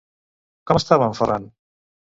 Com estava en Ferran?